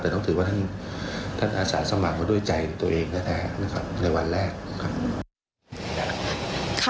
แต่ต้องถือว่าท่านอาสาสมัครมาด้วยใจตัวเองแท้นะครับในวันแรกนะครับ